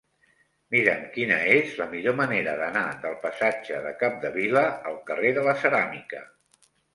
Mira'm quina és la millor manera d'anar del passatge de Capdevila al carrer de la Ceràmica.